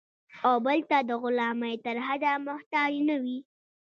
او بل ته د غلامۍ تر حده محتاج نه وي.